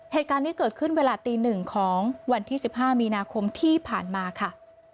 เหตุการณ์นี้เกิดขึ้นเวลาตี๑ของวันที่๑๕มีนาคมที่ผ่านมาค่ะ